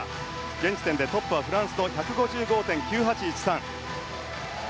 現時点でトップはフランスの１５５．９８１３。